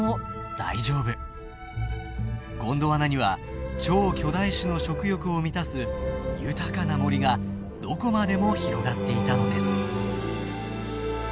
ゴンドワナには超巨大種の食欲を満たす豊かな森がどこまでも広がっていたのです。